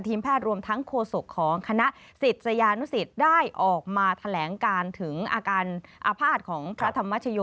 แพทย์รวมทั้งโฆษกของคณะศิษยานุสิตได้ออกมาแถลงการถึงอาการอาภาษณ์ของพระธรรมชโย